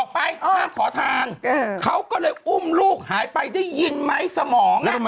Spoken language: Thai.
พอเขาก็ไม่เคยมีลูกพ่อ